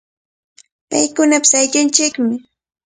Paykunapish ayllunchikmi.